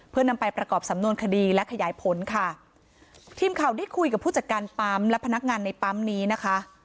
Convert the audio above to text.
เพื่อนำไปประกอบสำนวนคดีและขยายผลค่ะทีมข่าวได้คุยกับผู้จัดการปั๊มและพนักงานในปั๊มนี้นะคะ